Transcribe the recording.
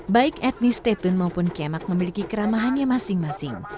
baik etnis tetun maupun kemak memiliki keramahannya masing masing